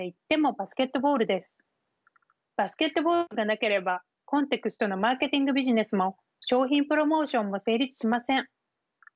バスケットボールがなければコンテクストのマーケティングビジネスも商品プロモーションも成立しません。